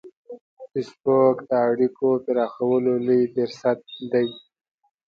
فېسبوک د اړیکو پراخولو لوی فرصت دی